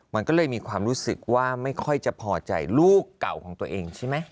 มันก็เลยมีความรู้สึกว่าไม่ค่อยจะพอใจลูกเก่าของตัวเองใช่ไหม